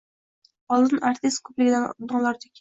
Oldin artist ko‘pligidan nolirdik